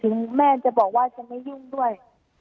แม่จะบอกว่าจะไม่ยุ่งด้วย